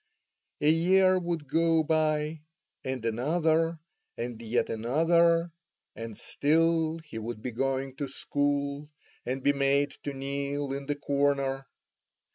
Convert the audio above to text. A year would go by, and another, and yet another, and still he would be going to school, and be made to kneel in the corner.